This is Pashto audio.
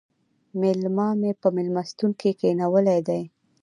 مېلما مې په مېلمستون کې کښېناولی دی